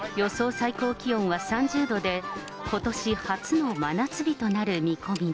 最高気温は３０度で、ことし初の真夏日となる見込みだ。